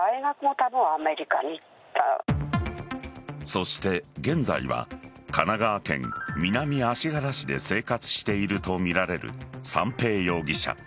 そして、現在は神奈川県南足柄市で生活しているとみられる三瓶容疑者。